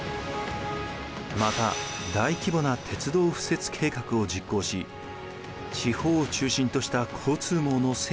また大規模な鉄道敷設計画を実行し地方を中心とした交通網の整備を進めました。